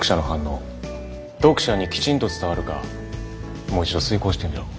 読者にきちんと伝わるかもう一度推敲してみろ。